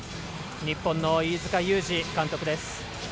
日本の飯塚祐司監督です。